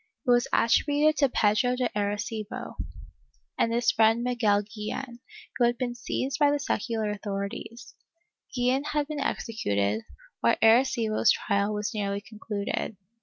It was attributed to Pedro de Arreeibo and his friend Miguel Guillen, who had l;)een seized by the secular authorities; Guillen had been executed, while Arrecibo's trial was nearly concluded.